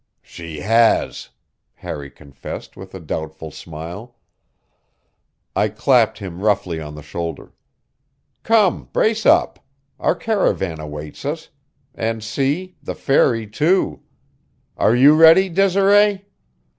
"She has," Harry confessed with a doubtful smile. I clapped him roughly on the shoulder. "Come, brace up! Our caravan awaits us and see, the fairy, too. Are you ready, Desiree?"